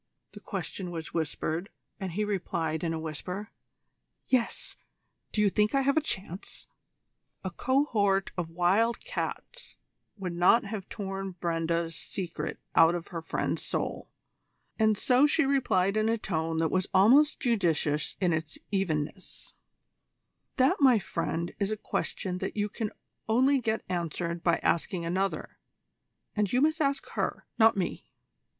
The question was whispered, and he replied in a whisper: "Yes; do you think I have any chance?" A cohort of wild cats would not have torn Brenda's secret out of her friend's soul, and so she replied in a tone that was almost judicious in its evenness: "That, my friend, is a question that you can only get answered by asking another and you must ask her, not me."